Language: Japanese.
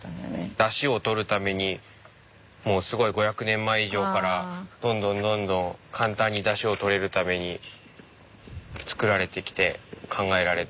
だしをとるためにもうすごい５００年前以上からどんどんどんどん簡単にだしをとれるために作られてきて考えられて。